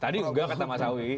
tadi juga kata mas awi